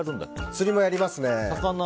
釣り、やりますね。